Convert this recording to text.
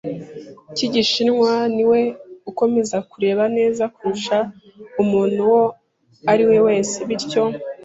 cy'igishishwa; ni we, ukomeza kureba neza kurusha umuntu uwo ari we wese, bityo